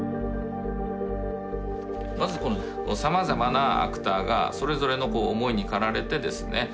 まずこのさまざまなアクターがそれぞれの思いに駆られてですね